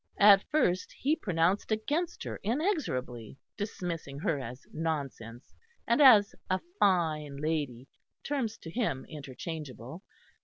At first he pronounced against her inexorably, dismissing her as nonsense, and as a fine lady terms to him interchangeable.